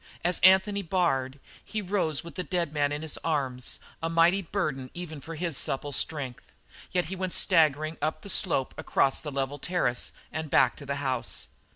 As Anthony Bard he rose with the dead man in his arms a mighty burden even for his supple strength; yet he went staggering up the slope, across a level terrace, and back to the house.